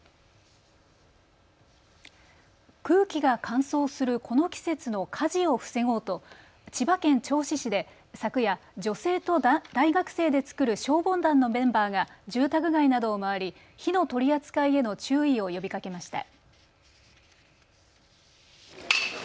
空気が乾燥するこの季節の火事を防ごうと千葉県銚子市で昨夜、女性と大学生で作る消防団のメンバーが住宅街などを回り火の取り扱いへの注意を呼びかけました。